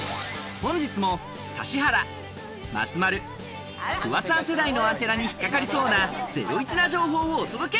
本日も指原、松丸、フワちゃん世代のアンテナに引っ掛かりそうなゼロイチな情報をお届け！